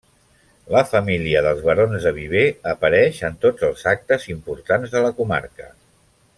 La família dels barons de Viver apareix en tots els actes importants de la comarca.